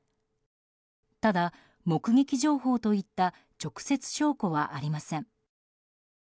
ただ目撃情報といった直接証拠はありません。